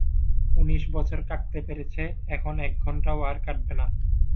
উনিশ বছর কাটতে পেরেছে, এখন এক ঘণ্টাও আর কাটবে না।